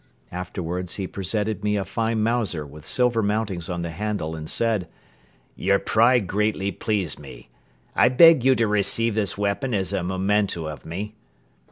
Afterwards he presented me a fine Mauser with silver mountings on the handle and said: "Your pride greatly pleased me. I beg you to receive this weapon as a memento of me."